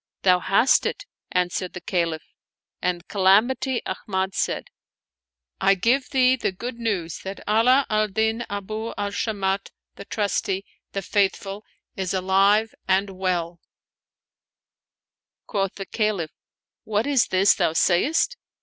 " Thou hast it," answered the Caliph; and Calamity Ahmad said, " I give thee the good news that Ala al Din Abu al Sha mat, the Trusty, the Faithful is alive and well" Quoth the Caliph, "What is this thou sayest?"